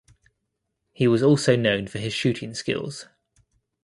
He was also known for his shooting skills.